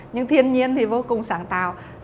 nhưng thiên nhiên thì vô cùng sáng tạo